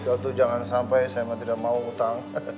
kalau itu jangan sampai saya mah tidak mau utang